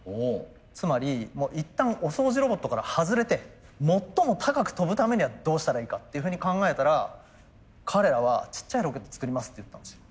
つまり一旦お掃除ロボットから外れて最も高く飛ぶためにはどうしたらいいかっていうふうに考えたら彼らは「ちっちゃいロケット作ります」って言ったんですよ。